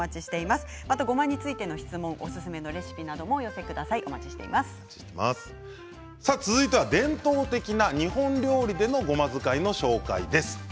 また、ごまについての質問やおすすめのレシピも続いては伝統的な日本料理のごま使いの紹介です。